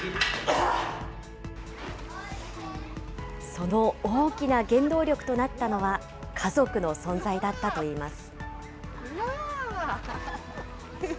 その大きな原動力となったのは、家族の存在だったといいます。